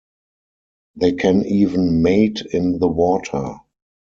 They can even mate in the water.